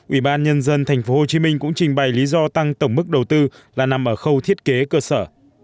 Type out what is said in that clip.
ủy ban nhân dân tp hcm cũng trình bày lý do tăng tổng mức đầu tư là nằm ở khâu thiết kế cơ sở